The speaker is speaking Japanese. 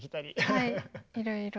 はいいろいろ。